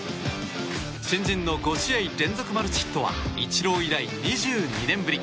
新人の５試合連続マルチヒットはイチロー以来２２年ぶり。